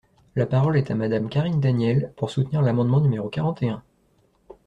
La parole est à Madame Karine Daniel, pour soutenir l’amendement numéro quarante et un.